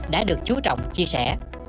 đã được chú trọng chia sẻ